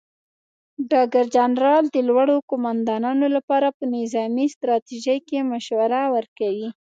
ډګر جنرال د لوړو قوماندانانو لپاره په نظامي ستراتیژۍ کې مشوره ورکوي.